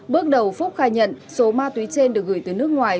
bước đầu phúc khai nhận số ma túy trên được gửi từ nước ngoài